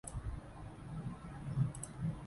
รัฐต้องประเมินการเข้าถึง